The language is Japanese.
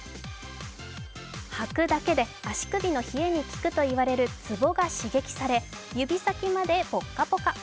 履くだけで足首の冷えに効くとされる足つぼが刺激され指先までポッカポカ。